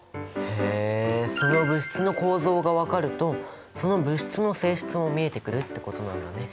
へえその物質の構造が分かるとその物質の性質も見えてくるってことなんだね。